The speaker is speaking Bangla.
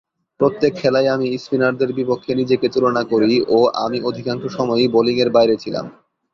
প্রত্যেক খেলাই আমি স্পিনারদের বিপক্ষে নিজেকে তুলনা করি ও আমি অধিকাংশ সময়ই বোলিংয়ের বাইরে ছিলাম।